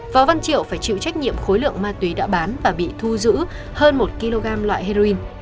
võ văn triệu phải chịu trách nhiệm khối lượng ma túy đã bán và bị thu giữ hơn một kg loại heroin